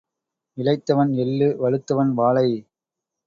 இளைத்தவன் எள்ளு வலுத்தவன் வாழை.